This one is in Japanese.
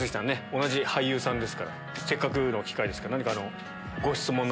同じ俳優さんですからせっかくの機会ですから。